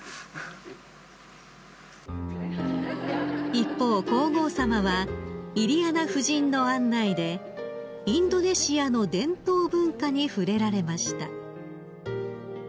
［一方皇后さまはイリアナ夫人の案内でインドネシアの伝統文化に触れられました］